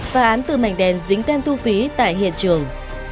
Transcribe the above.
phá án từ mảnh đèn dính tem thu phí tại hiện trường